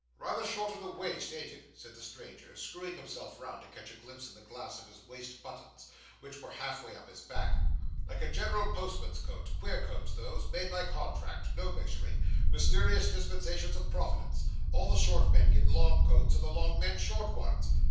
'Rather short in the waist, ain't it?' said the stranger, screwing himself round to catch a glimpse in the glass of the waist buttons, which were half way up his back. 'Like a general postman's coat queer coats those made by contract no measuring mysterious dispensations of Providence all the short men get long coats all the long men short ones.